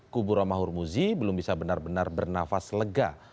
kuburomahur muzi belum bisa benar benar bernafas lega